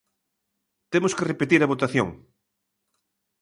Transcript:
Temos que repetir a votación.